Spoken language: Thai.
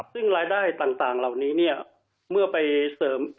ซึ่งรายได้ต่างเหล่านี้เนี่ยเมื่อไปเสริม